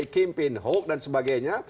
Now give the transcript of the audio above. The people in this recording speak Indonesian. campaign hukum dan sebagainya